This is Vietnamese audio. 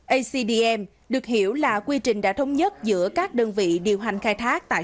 acdm được hiểu là quy trình đã thống nhất giữa các đơn vị điều hành khai thác tại